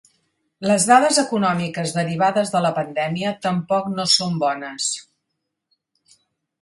Les dades econòmiques derivades de la pandèmia tampoc no són bones.